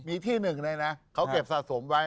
มีที่หนึ่งเลยนะเขาเก็บสะสมไว้